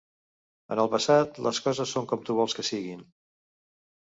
En el passat les coses són com tu vols que siguin.